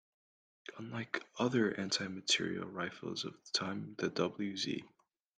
Unlike other anti-materiel rifles of the time, the wz.